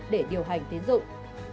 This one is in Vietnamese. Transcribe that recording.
để điều hành tín dụng